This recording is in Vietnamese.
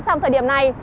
trong thời điểm này